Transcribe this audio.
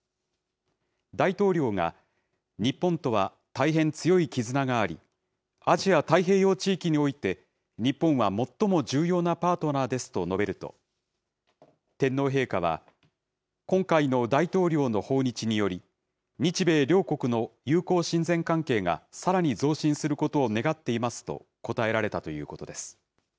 大統領が、日本とは大変強い絆があり、アジア太平洋地域において、日本は最も重要なパートナーですと述べると、天皇陛下は、今回の大統領の訪日により、日米両国の友好親善関係がさらに増進することを願っていますと、こたえられたということです。